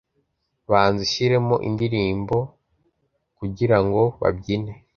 banza ushyiremo indirimbo Kugira ngo babyine